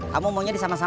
kamu maunya disama samain